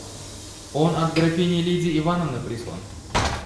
Он от графини Лидии Ивановны прислан.